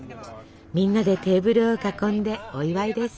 みんなでテーブルを囲んでお祝いです。